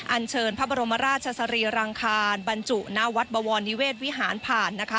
อันเชิญพระบรมราชสรีรังคารบรรจุหน้าวัดบวรนิเวศวิหารผ่านนะคะ